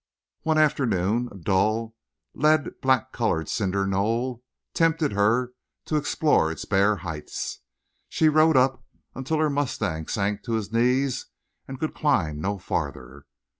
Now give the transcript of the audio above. One afternoon a dull, lead black colored cinder knoll tempted her to explore its bare heights. She rode up until her mustang sank to his knees and could climb no farther.